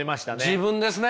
自分ですね。